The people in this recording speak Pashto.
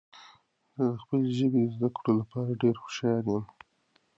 زه د خپلې ژبې د زده کړو لپاره ډیر هوښیار یم.